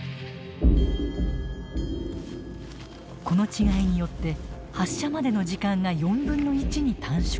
この違いによって発射までの時間が４分の１に短縮。